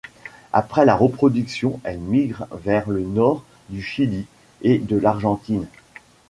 Après la reproduction elle migre vers le nord du Chili et de l'Argentine.